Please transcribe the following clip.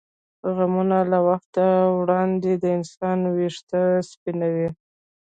غمونه له وخته وړاندې د انسان وېښته سپینوي.